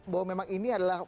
bahwa memang ini adalah